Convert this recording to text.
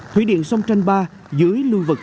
thủy điện sông tranh ba dưới lưu vực